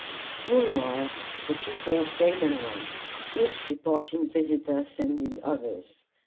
Meanwhile, the people came and went, each departing visitor sending others.